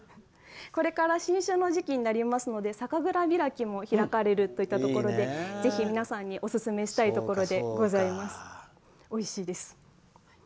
これから新酒の時期になりますので酒蔵開きも開かれるといったところでぜひ皆さんにおすすめしたいところです。